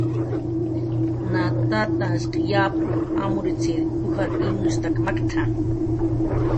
Na tatanhshq yapw amrutzir ujar imnushtak maktna.